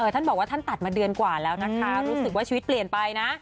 ท่านบอกว่าท่านตัดมาเดือนกว่าแล้วนะคะรู้สึกว่าชีวิตเปลี่ยนไปนะ